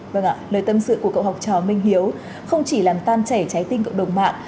vâng ạ lời tâm sự của cậu học trò minh hiếu không chỉ làm tan chảy trái tim cộng đồng mạng